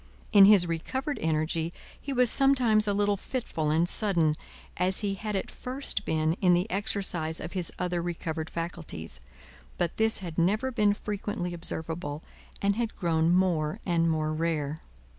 In his recovered energy he was sometimes a little fitful and sudden, as he had at first been in the exercise of his other recovered faculties; but, this had never been frequently observable, and had grown more and more rare.